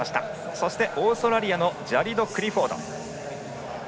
そして、オーストラリアのジャリド・クリフォード。